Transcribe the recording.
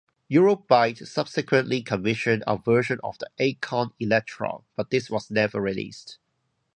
Euro-Byte subsequently commissioned a version for the Acorn Electron, but this was never released.